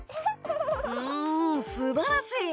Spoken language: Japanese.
うんすばらしい！